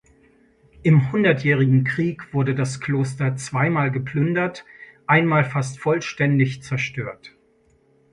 Im Hundertjährigen Krieg wurde das Kloster zweimal geplündert, einmal fast vollständig zerstört.